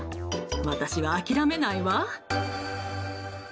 私は諦めないわ。